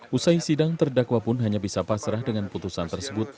usai sidang terdakwa pun hanya bisa pasrah dengan putusan tersebut